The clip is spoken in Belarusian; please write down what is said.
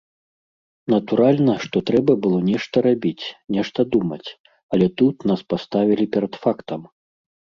Натуральна, што трэба было нешта рабіць, нешта думаць, але тут нас паставілі перад фактам.